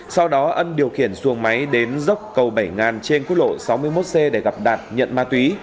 sau đó ân điều khiển xuồng máy đến dốc cầu bảy ngàn trên quốc lộ sáu mươi một c để gặp đạt nhận ma túy